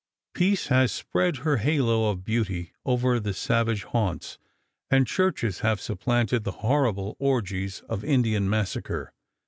Peace has spread her halo of beauty over the savage haunts and churches have supplanted the horrible orgies of Indian massacre.